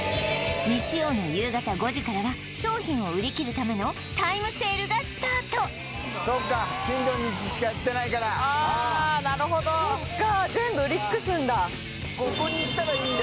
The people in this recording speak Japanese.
日曜の夕方５時からは商品を売り切るためのタイムセールがスタートそうかああなるほどそっか